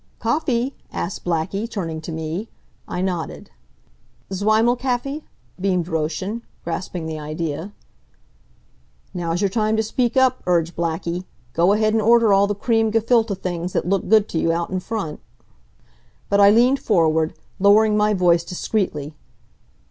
"Coffee?" asked Blackie, turning to me. I nodded. "Zweimal Kaffee?" beamed Roschen, grasping the idea. "Now's your time to speak up," urged Blackie. "Go ahead an' order all the cream gefillte things that looked good to you out in front." But I leaned forward, lowering my voice discreetly.